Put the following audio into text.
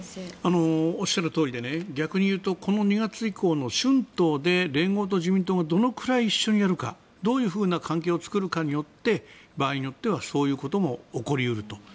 おっしゃるとおりで逆に言うと、この２月以降の春闘で連合と自民党がどのくらい一緒にやるかどういうふうな関係を作るかによって場合によってはそういうことも起こり得ると。